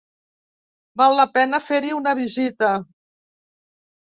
Val la pena fer-hi una visita.